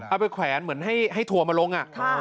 ไปแขวนเหมือนให้ทัวร์มาลง